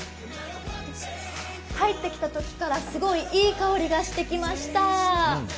入ってきたときから、すごいいい香りがしてきました。